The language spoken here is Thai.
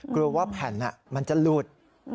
กลัวว่าแผ่นมันจะหลุด